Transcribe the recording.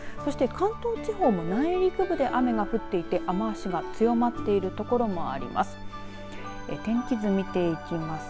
関東地方も内陸部で雨が降っていて雨足が強まっている所もあります。